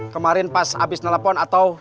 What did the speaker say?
kemarin pas abis telepon atau